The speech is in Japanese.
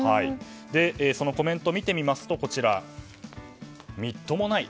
そのコメントを見てみますとみっともない。